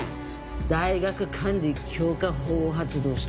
大学管理強化法を発動したのよ。